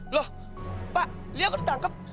loh pak lia kok ditangkep